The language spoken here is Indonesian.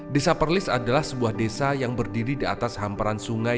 desa perlis adalah sebuah desa yang berdiri di atas hamparan sungai